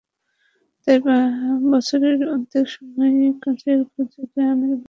তাই বছরের অর্ধেক সময়ই কাজের খোঁজে গ্রামের বাইরে থাকতে হতো পুরুষদের।